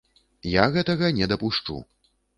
Я гэтага не дапушчу.